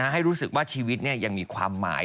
ให้รู้สึกว่าชีวิตยังมีความหมาย